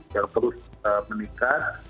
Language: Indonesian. yang terus meningkat